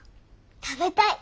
食べたい！